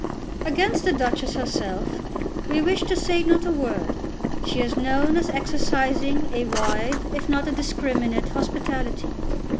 "Against the Duchess herself we wish to say not a word. She is known as exercising a wide if not a discriminate hospitality.